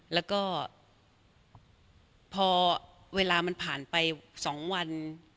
แล้วก็พอเวลามันผ่านไป๒วัน